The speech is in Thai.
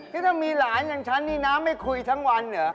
นี่ถ้ามีหลานอย่างฉันนี่น้าไม่คุยทั้งวันเหรอ